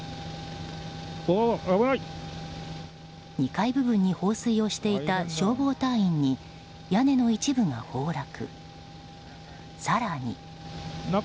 ２階部分に放水をしていた消防隊員に屋根の一部が崩落。